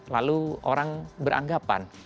lalu orang beranggapan